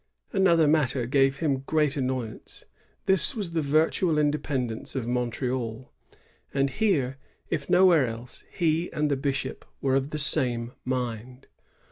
Another matter gave him great annoyance. This was the virtual independence of Montreal ; and here, if nowhere else, he and the bishop were of the same mind.